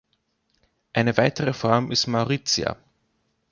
Eine weitere Form ist Mauritia.